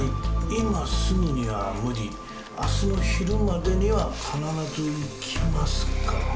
今すぐには無理」「明日の昼までには必ず行きます」か。